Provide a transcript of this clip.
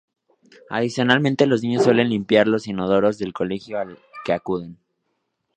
Adicionalmente los niños suelen limpiar los inodoros del colegio al que acuden.